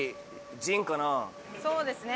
そうですね。